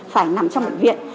phải nằm trong bệnh viện